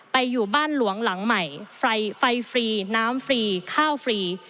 อยู่บ้านหลวงหลังใหม่ไฟฟรีน้ำฟรีข้าวฟรี